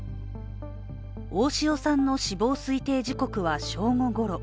大塩さんの死亡推定時刻は正午ごろ。